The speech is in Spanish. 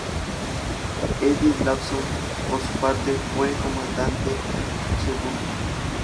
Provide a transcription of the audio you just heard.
Eddie Lawson, por su parte, fue cómodamente segundo.